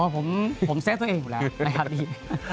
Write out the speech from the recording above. อ๋อผมเซ็กตัวเองแล้วนะครับอีก